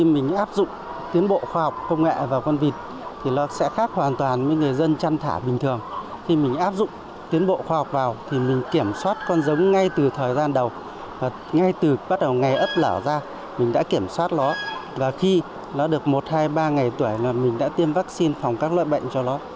mình đã kiểm soát nó và khi nó được một hai ba ngày tuổi mình đã tiêm vaccine phòng các loại bệnh cho nó